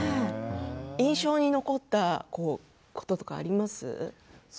印象に残ったこととかありますか？